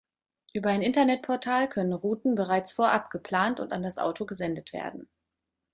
Über ein Internetportal können Routen bereits vorab geplant und an das Auto gesendet werden.